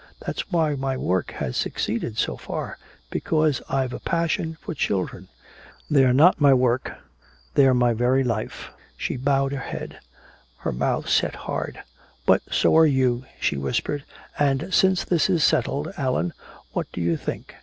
That's why my work has succeeded so far because I've a passion for children! They're not my work, they're my very life!" She bowed her head, her mouth set hard. "But so are you," she whispered. "And since this is settled, Allan, what do you think?